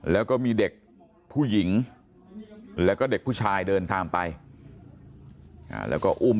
แล้วก็มีเด็กผู้หญิงแล้วก็เด็กผู้ชายเดินตามไปแล้วก็อุ้ม